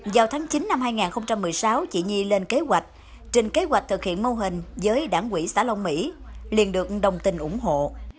vào tháng chín năm hai nghìn một mươi sáu chị nhi lên kế hoạch trình kế hoạch thực hiện mô hình với đảng quỹ xã long mỹ liền được đồng tình ủng hộ